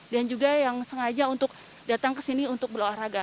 dan juga yang sengaja untuk datang ke sini untuk berolahraga